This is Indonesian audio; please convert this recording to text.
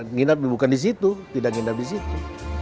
menginap bukan di situ tidak ngindap di situ